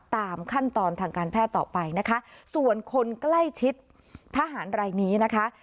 ตามขั้นตอนทางการแพทย์ต่อไปนะคะส่วนคนใกล้ชิดทหารรายนี้นะคะ